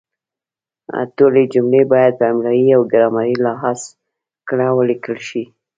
ټولې جملې باید په املایي او ګرامري لحاظ کره ولیکل شي.